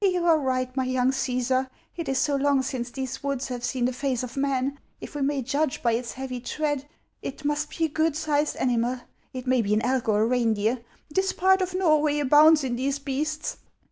"You are right, my young (Aesar ; it is so long since these woods have seen the face of man ! If we may judge by its heavy tread, it must be a good sized animal. It may be an elk or a reindeer ; this part of Xorway abounds in these beasts.